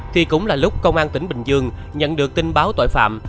thì cũng là lúc công an tỉnh bình dương nhận được tin báo tội phạm